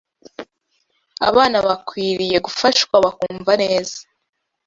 abana bakwiriye gufashwa bakumva neza